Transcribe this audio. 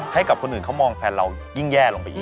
ทะเลาะกันในไอจีหรืออะไรอย่างนี้แล้วอืมสนุก